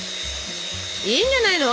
いいんじゃないの？